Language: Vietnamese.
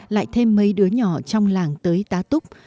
lại thêm mấy đứa nhỏ trong làng tới tá túc